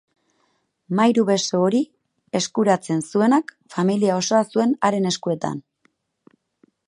Mairu-beso hori eskuratzen zuenak familia osoa zuen haren eskuetan.